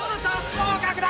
合格だ！